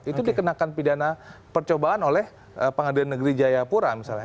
itu dikenakan pidana percobaan oleh pengadilan negeri jayapura misalnya